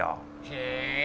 へえ。